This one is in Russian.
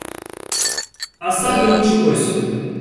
– А саблю лучше брось.